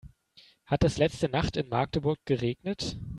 Hat es letzte Nacht in Magdeburg geregnet?